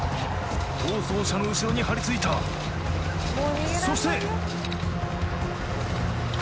逃走車の後ろにはりついたそして！